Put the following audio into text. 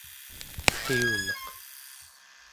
qiuneq